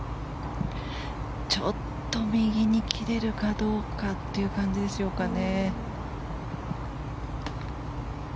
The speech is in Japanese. ちょっと右に切れるかどうかという感じですかね。